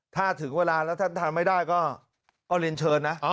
ถ้าถึงเวลาแล้วท่านทำไม่ได้ก็เรียนเชิญนะ